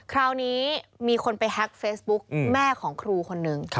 คราวนี้มีคนไปแฮ็กเฟซบุ๊กแม่ของครูคนนึง